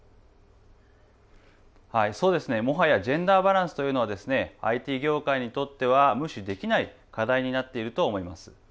もはやジェンダーバランスというのはＩＴ業界にとっては無視できない課題になっていると思います。